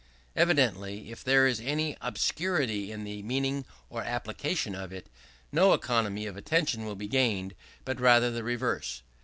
Evidently, if there be any obscurity in the meaning or application of it, no economy of attention will be gained; but rather the reverse.